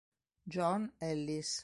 John Ellis